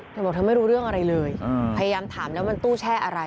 เธอบอกเธอไม่รู้เรื่องอะไรเลยพยายามถามแล้วมันตู้แช่อะไร